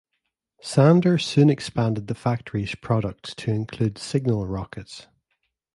Sander soon expanded the factory's products to include signal rockets.